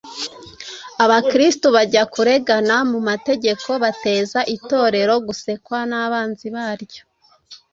Abakristo bajya kuregana mu mategeko bateza Itorero gusekwa n’abanzi baryo